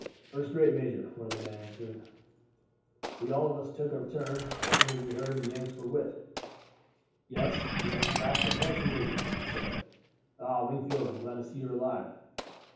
"First rate, major," one of the men answered. "We all of us took a turn as soon as we heard that the Yanks were whipped." "Yes, we have thrashed them handsomely," the major said. "Ah, Wingfield, I am glad to see you are alive.